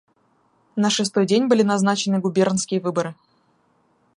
На шестой день были назначены губернские выборы.